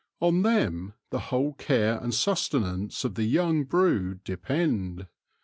On them the whole care and susten ance of the young brood depend.